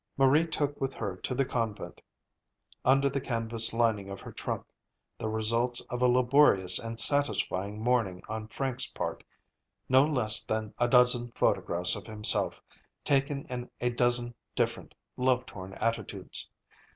Marie took with her to the convent, under the canvas lining of her trunk, the results of a laborious and satisfying morning on Frank's part; no less than a dozen photographs of himself, taken in a dozen different love lorn attitudes.